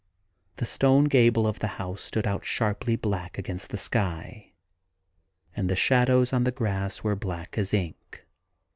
The stone gable of the house stood out sharply black against the sky, and the 31 THE GARDEN GOD shadows on the grass were black as ink.